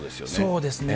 そうですね。